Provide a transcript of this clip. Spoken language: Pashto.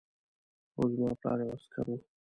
هو زما پلار یو عسکر و